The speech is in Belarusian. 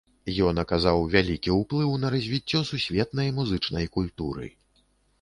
Ён аказаў вялікі ўплыў на развіццё сусветнай музычнай культуры.